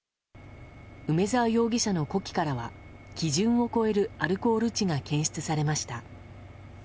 梅沢容疑者の呼気からは基準を超えるアルコール値が検出されました。